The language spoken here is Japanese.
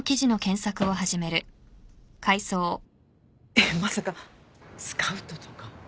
えっまさかスカウトとか？